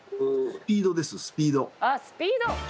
あっスピード！